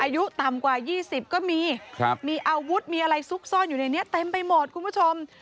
อายุต่ำกว่า๒๐ก็มีมีอาวุธมีอะไรซุกซ่อนอยู่ในนี้เต็มไปหมดคุณผู้ชม